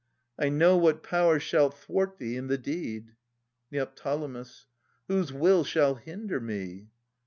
I know what power shall thwart thee in the deed. Neo. Whose will shall hinder me?